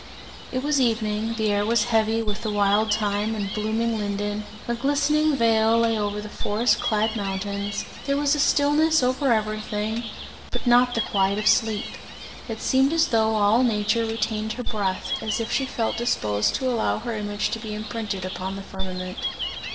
It was evening, the air was heavy with the wild thyme and blooming linden, a glistening veil lay over the forest clad mountains, there was a stillness over everything, but not the quiet of sleep. It seemed as though all nature retained her breath, as if she felt disposed to allow her image to be imprinted upon the firmament.